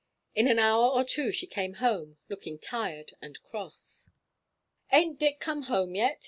In an hour or two she came home, looking tired and cross. "Ain't Dick come home yet?"